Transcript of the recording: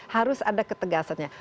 harus ada ketegasannya